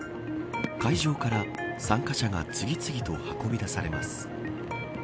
会場から参加者らが次々と運び出されます。